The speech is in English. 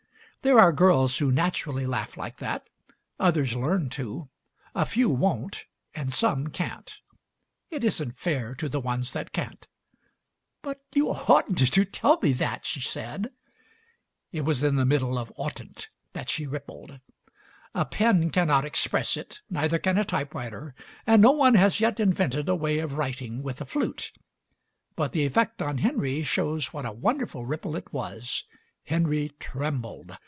There are girls who naturally laugh like that; others learn to; a few won't, and some can't. It isn't fair to the ones that can't. "But you oughtn't to tell me that/' she said. It was in the middle of "oughtn't" that she Digitized by Google 140 MARY SMITH rippled. A pen cannot express it, neither can a typewriter, and no one has yet invented a way of writing with a flute; but the effect on Henry shows what a wonderful ripple it was. Henry trembled.